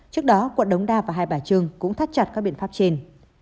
trước đó quận đống đa và hai bà trưng cũng thắt chặt các biện pháp trên